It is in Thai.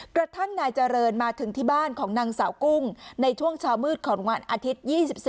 กระทั่งนายเจริญมาถึงที่บ้านของนางสาวกุ้งในช่วงเช้ามืดของวันอาทิตย์๒๔